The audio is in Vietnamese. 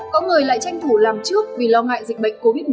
có người lại tranh thủ làm trước vì lo ngại dịch bệnh covid một mươi chín